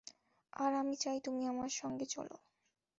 আর আমি চাই তুমি আমার সঙ্গে চলো।